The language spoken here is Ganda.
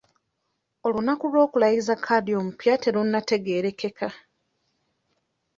Olunaku olw'okulayiza Kadhi omupya terunnategeerekeka.